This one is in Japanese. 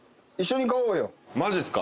マジっすか？